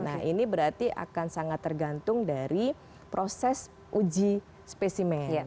nah ini berarti akan sangat tergantung dari proses uji spesimen